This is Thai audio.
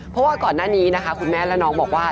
เพราะว่าก่อนหน้านี้นะคะคุณแม่และน้องบอกว่า